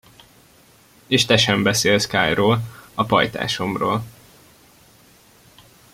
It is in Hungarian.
És te sem beszélsz Kayról, a pajtásomról!